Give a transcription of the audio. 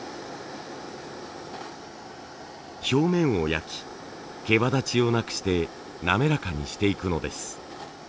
表面を焼き毛羽立ちをなくして滑らかにしていくのです。